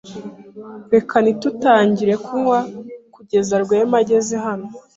Reka ntitutangire kunywa kugeza Rwema ageze hano.